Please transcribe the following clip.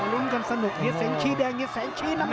รุ้งกันสนุกหิตแสงชี่แดงหิตแสงชี่น้ำหนึ่ง